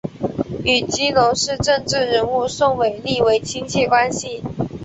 与基隆市政治人物宋玮莉为亲戚关系。